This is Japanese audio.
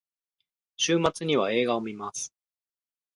週末には映画を観ます。